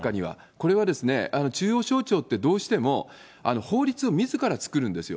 これは、中央省庁ってどうしても、法律をみずから作るんですよ。